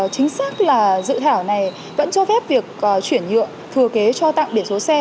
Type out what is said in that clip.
chính xác là dự thảo này vẫn cho phép việc chuyển nhượng thừa kế cho tặng biển số xe